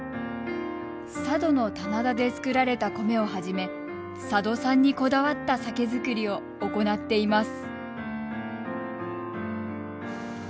佐渡の棚田で作られた米をはじめ佐渡産にこだわった酒造りを行っています。